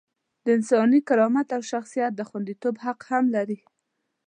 د انساني کرامت او شخصیت د خونديتوب حق هم لري.